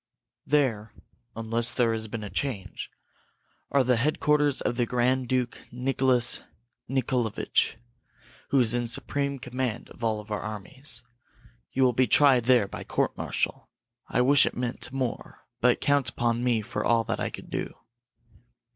There, unless there has been a change, are the headquarters of the Grand Duke Nicholas Nicholavitch, who is in supreme command of all our armies. You will be tried there by court martial. I wish it meant more but count upon me for all that I can do."